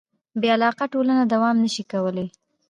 بېاخلاقه ټولنه دوام نهشي کولی.